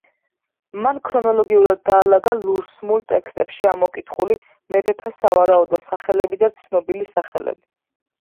მან ქრონოლოგიურად დაალაგა ლურსმულ ტექსტებში ამოკითხული მეფეთა სავარაუდო სახელები და ცნობილი სახელები.